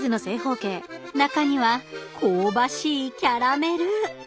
中には香ばしいキャラメル。